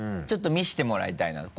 ちょっと見せてもらいたいな。